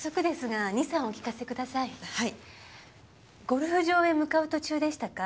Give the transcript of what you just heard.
ゴルフ場へ向かう途中でしたか？